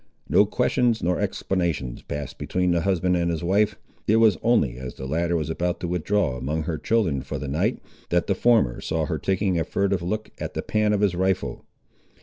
No questions nor explanations passed between the husband and his wife. It was only as the latter was about to withdraw among her children, for the night, that the former saw her taking a furtive look at the pan of his rifle.